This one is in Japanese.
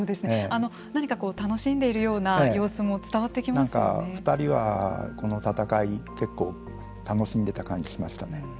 何か楽しんでいるような様子もなんか、２人はこの闘い、結構楽しんでた感じがしましたね。